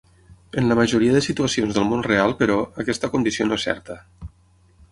En la majoria de situacions del món real, però, aquesta condició no és certa.